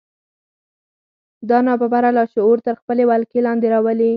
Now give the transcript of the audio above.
دا ناببره لاشعور تر خپلې ولکې لاندې راولي